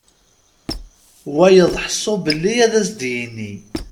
Wayeḍ ḥsu belli ad s-d-yenni.